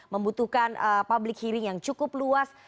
membutuhkan public hearing yang cukup luas